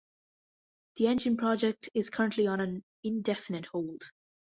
The engine project is currently on an indefinite hold.